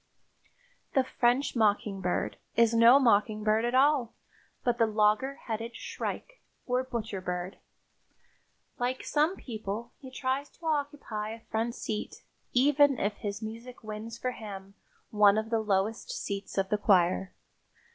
The "French mockingbird" is no mockingbird at all, but the logger headed shrike, or butcher bird. Like some people, he tries to occupy a front seat, even if his music wins for him one of the lowest seats of the choir.